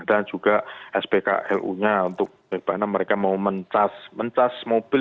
juga spklu nya untuk bagaimana mereka mau menjus mobil